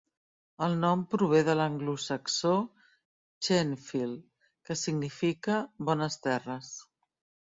El nom prové de l'anglosaxó "Chenefield", que significa "bones terres".